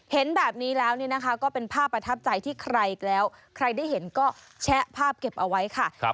เห็นแบบนี้แล้วเนี่ยนะคะก็เป็นภาพประทับใจที่ใครอีกแล้วใครได้เห็นก็แชะภาพเก็บเอาไว้ค่ะ